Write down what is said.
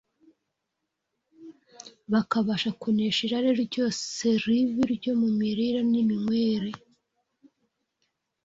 bakabasha kunesha irari ryose ribi ryo mu mirire n’iminywere